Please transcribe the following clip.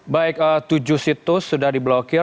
baik tujuh situs sudah diblokir